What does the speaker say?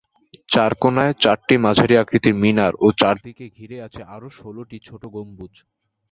চার কোণায় চারটি মাঝারি আকৃতির মিনার ও চারদিকে ঘিরে আছে আরো ষোলটি ছোট গম্বুজ।